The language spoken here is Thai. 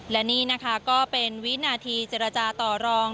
และนี่นะคะก็เป็นวินาทีเจรจาต่อรอง